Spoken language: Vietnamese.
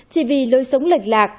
chỉ vì lối sống lệch lạc